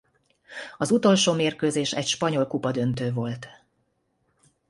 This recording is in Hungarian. Az utolsó mérkőzés egy Spanyol Kupa-döntő volt.